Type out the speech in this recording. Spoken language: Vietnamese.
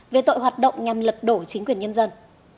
về tội hoạt động nhằm lật đổ chính quyền nhân dân